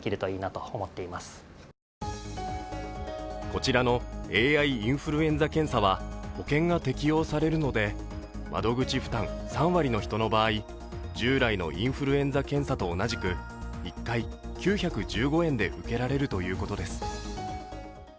こちらのＡＩインフルエンザ検査は保険が適用されるので窓口負担３割の人の場合、従来のインフルエンザ検査と同じく１回９１５円で受けられるということです。